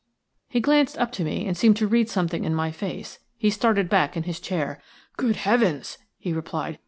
He glanced up to me and seemed to read something in my face. He started back in his chair. "Good heavens!" he replied.